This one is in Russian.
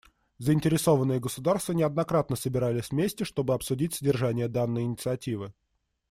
Заинтересованные государства неоднократно собирались вместе чтобы обсудить содержание данной инициативы.